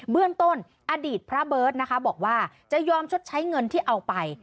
เรื่องต้นอดีตพระเบิร์ตนะคะบอกว่าจะยอมชดใช้เงินที่เอาไป